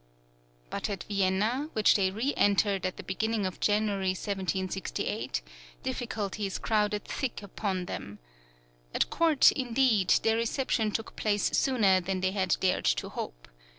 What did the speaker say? But at Vienna, which they re entered at the beginning of January, 1768, difficulties crowded thick upon them. At court, indeed, their reception took place sooner than they had dared to hope.